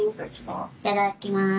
いただきます。